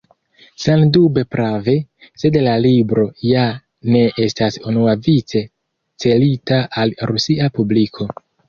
Sendube prave, sed la libro ja ne estas unuavice celita al rusia publiko.